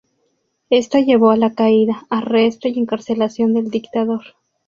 Esto llevó a la caída, arresto y encarcelación del dictador.